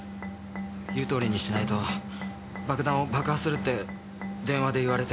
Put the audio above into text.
言う通りにしないと爆弾を爆破するって電話で言われて。